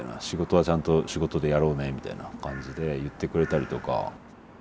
仕事はちゃんと仕事でやろうねみたいな感じで言ってくれたりとか。